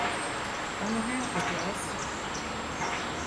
Onu ne yapacağız?